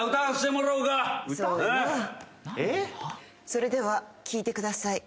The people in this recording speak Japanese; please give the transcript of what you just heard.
それでは聞いてください。